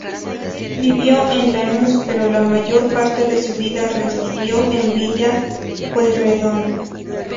Vivió en Lanús, pero la mayor parte de su vida residió en Villa Pueyrredón.